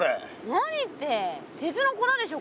何って鉄の粉でしょ